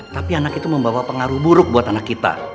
tapi anak itu membawa pengaruh buruk buat anak kita